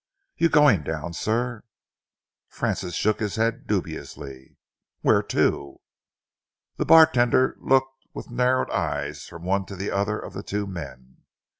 "You going down, sir?" Francis shook his head dubiously. "Where to?" The bartender looked with narrowed eyes from one to the other of the two men.